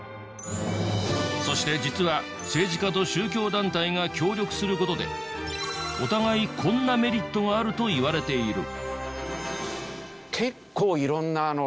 そして実は政治家と宗教団体が協力する事でお互いこんなメリットがあるといわれている。